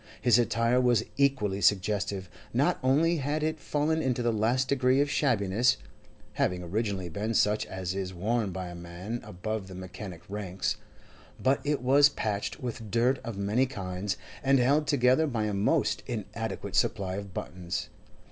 His attire was equally suggestive; not only had it fallen into the last degree of shabbiness (having originally been such as is worn by a man above the mechanic ranks), but it was patched with dirt of many kinds, and held together by a most inadequate supply of buttons.